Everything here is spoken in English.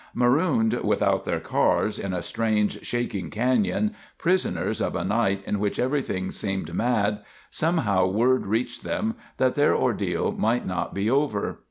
Marooned, without their cars, in a strange, shaking canyon—prisoners of a night in which everything seemed mad, somehow word reached them that their ordeal might not be over.